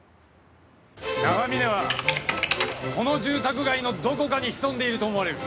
長嶺はこの住宅街のどこかに潜んでいると思われる。